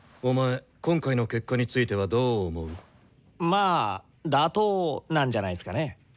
まあ妥当なんじゃないっすかね？